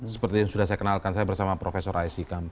seperti yang sudah saya kenalkan saya bersama profesor aisyikam